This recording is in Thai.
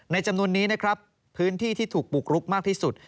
ในจำนวนนี้พื้นที่ที่ถูกบุกลุกมากที่สุด